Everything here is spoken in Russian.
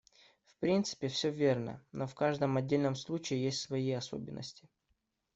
В принципе, всё верно, но в каждом отдельном случае есть свои особенности.